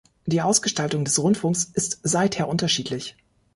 Die Ausgestaltung des Rundfunks ist seither unterschiedlich.